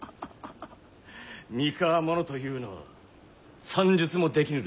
三河者というのは算術もできぬらしい。